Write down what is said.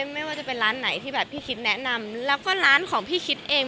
ไม่ว่าจะเป็นร้านไหนที่แบบพี่คิดแนะนำแล้วก็ร้านของพี่คิดเอง